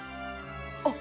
あっ！